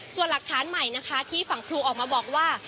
ส่วนหลักฐานใหม่นะคะที่ฝั่งครูออกมาบอกว่า